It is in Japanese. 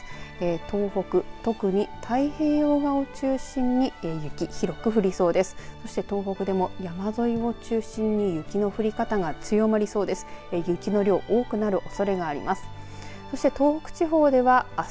東北、特に太平洋側を中心に雪、広く降りそうです。